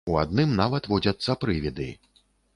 У адным нават водзяцца прывіды.